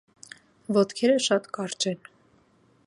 Ոտքերը շատ կարճ են։